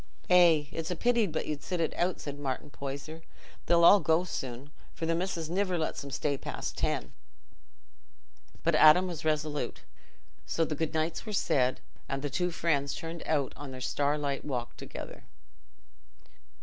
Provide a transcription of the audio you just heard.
"Eh! It's a pity but you'd sit it out," said Martin Poyser. "They'll all go soon, for th' missis niver lets 'em stay past ten." But Adam was resolute, so the good nights were said, and the two friends turned out on their starlight walk together.